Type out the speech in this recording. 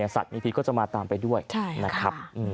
สัตว์มีพิษก็จะมาตามไปด้วยนะครับ